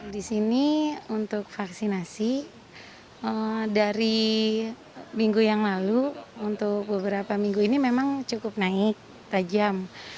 di sini untuk vaksinasi dari minggu yang lalu untuk beberapa minggu ini memang cukup naik tajam